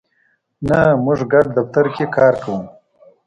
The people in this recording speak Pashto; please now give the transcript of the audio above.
نه، موږ ګډ دفتر کی کار کوو